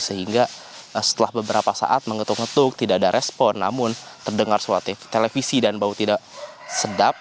sehingga setelah beberapa saat mengetuk ngetuk tidak ada respon namun terdengar suara televisi dan bau tidak sedap